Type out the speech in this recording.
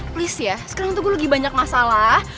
please ya sekarang tuh gue lagi banyak masalah